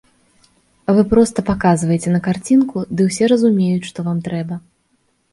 Вы проста паказваеце на карцінку, ды ўсе разумеюць, што вам трэба.